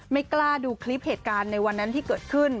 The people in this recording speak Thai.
ไม่กล้าดูคลิปเหตุการณ์ในวันนั้นที่เกิดขึ้น